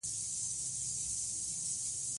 سړی د خپلې کورنۍ لپاره هڅاند وي